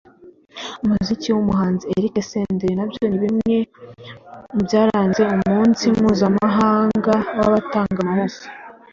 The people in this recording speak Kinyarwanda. umuziki w’umuhanzi Erci Senderi na byo ni bimwe mu byaranze umunzi mpuzamahanga w’abatanga amaraso